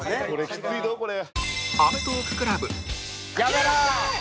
きついどこれ。